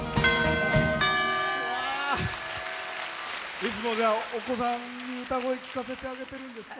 いつもお子さんに歌声を聴かせてあげてるんですか？